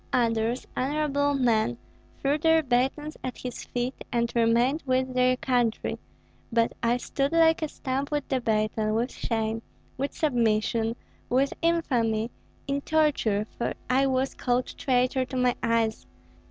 Others, honorable men, threw their batons at his feet and remained with their country; but I stood like a stump with the baton, with shame, with submission, with infamy, in torture, for I was called traitor to my eyes.